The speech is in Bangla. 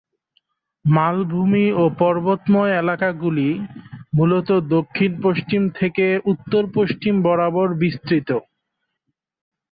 মালভূমি ও পর্বতময় এলাকাগুলি মূলত দক্ষিণ-পশ্চিম থেকে উত্তর-পশ্চিম বরাবর বিস্তৃত।